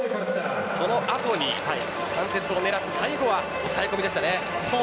その後に関節を狙って、最後は押さえ込みでした。